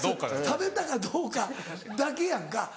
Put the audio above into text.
食べたかどうかだけやんか。